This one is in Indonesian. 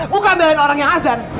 bukan pilihan orang yang azan